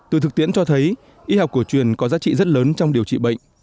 từ thực tiễn cho thấy y học cổ truyền có giá trị rất lớn trong điều trị bệnh